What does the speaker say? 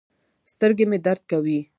سترګې مې درد کوي